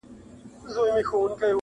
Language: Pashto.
حقيقت ورو ورو ښکاره کيږي تل,